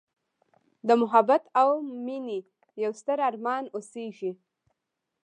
د محبت او میینې یوستر ارمان اوسیږې